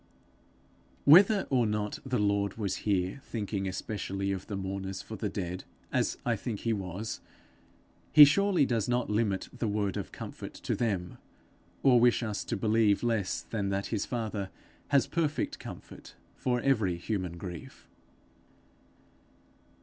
Whether or not the Lord was here thinking specially of the mourners for the dead, as I think he was, he surely does not limit the word of comfort to them, or wish us to believe less than that his father has perfect comfort for every human grief.